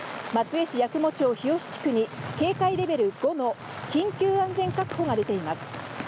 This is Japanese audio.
松江市八雲町日吉地区に警戒レベル５の緊急安全確保が出ています。